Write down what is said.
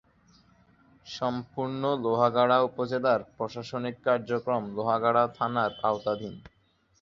সম্পূর্ণ লোহাগাড়া উপজেলার প্রশাসনিক কার্যক্রম লোহাগাড়া থানার আওতাধীন।